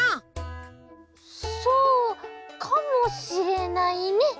そうかもしれないね。